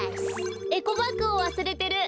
エコバッグをわすれてる。